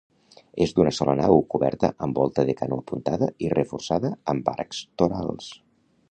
És d'una sola nau, coberta amb volta de canó apuntada i reforçada amb arcs torals.